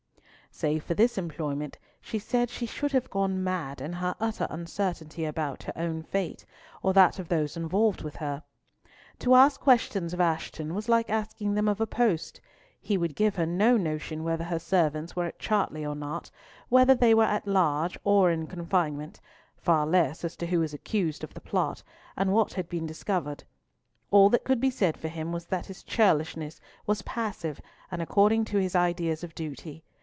Save for this employment, she said she should have gone mad in her utter uncertainty about her own fate, or that of those involved with her. To ask questions of Ashton was like asking them of a post. He would give her no notion whether her servants were at Chartley or not, whether they were at large or in confinement, far less as to who was accused of the plot, and what had been discovered. All that could be said for him was that his churlishness was passive and according to his ideas of duty.